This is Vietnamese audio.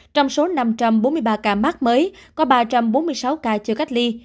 trong số năm trăm bốn mươi ba ca mắc mới có ba trăm bốn mươi sáu ca chưa cách ly